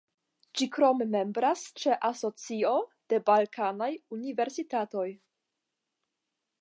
Ĝi krome membras ĉe "Asocio de balkanaj universitatoj".